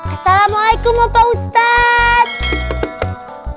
assalamualaikum bapak ustadz